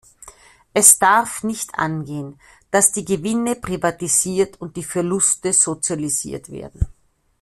Es darf nicht angehen, dass die Gewinne privatisiert und die Verluste sozialisiert werden.